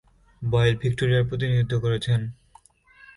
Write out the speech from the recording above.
Boil ভিক্টোরিয়ার প্রতিনিধিত্ব করেছেন।